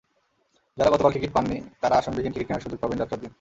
যাঁরা গতকাল টিকিট পাননি, তাঁরা আসনবিহীন টিকিট কেনার সুযোগ পাবেন যাত্রার দিন।